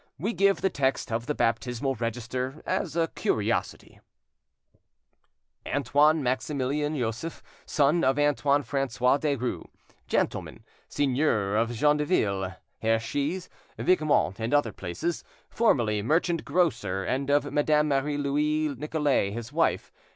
We give the text of the baptismal register, as a curiosity:— "Antoine Maximilian Joseph, son of Antoine Francois Derues, gentleman, seigneur of Gendeville, Herchies, Viquemont, and other places, formerly merchant grocer; and of Madame Marie Louise Nicolais, his wife.